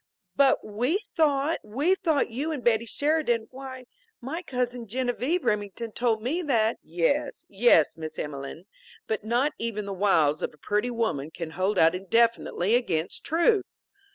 "But we thought " "We thought you and Betty Sheridan why, my cousin Genevieve Remington told me that " "Yes, yes, Miss Emelene. But not even the wiles of a pretty woman can hold out indefinitely against Truth!